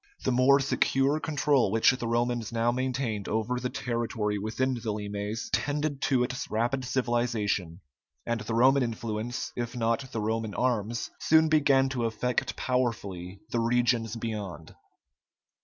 The more secure control which the Romans now maintained over the territory within the limes, tended to its rapid civilization, and the Roman influence, if not the Roman arms, soon began to affect powerfully the regions beyond.